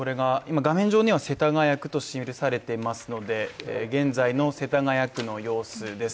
画面上には世田谷区と記されていますので現在の世田谷区の様子です。